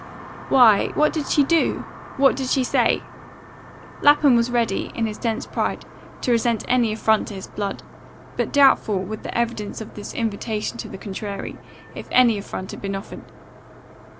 "Why, what did she do? What did she say?" Lapham was ready, in his dense pride, to resent any affront to his blood, but doubtful, with the evidence of this invitation to the contrary, if any affront had been offered.